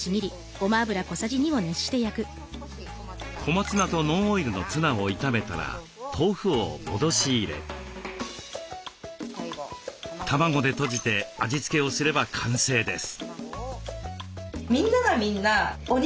小松菜とノンオイルのツナを炒めたら豆腐を戻し入れ卵でとじて味付けをすれば完成です。